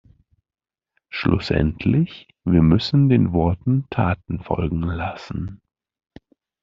Schlussendlich, wir müssen den Worten Taten folgen lassen.